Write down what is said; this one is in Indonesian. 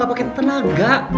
gak pake tenaga